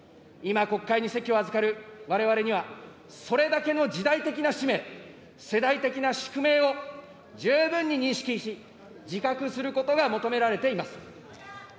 今、国会に席を預かるわれわれには、それだけの時代的な使命、世代的な宿命を十分に認識し、自覚することが求められています。